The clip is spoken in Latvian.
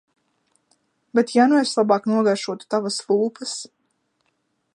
Bet ja nu es labāk nogaršotu tavas lūpas?